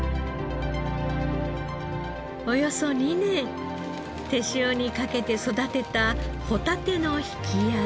およそ２年手塩にかけて育てたホタテの引き上げ。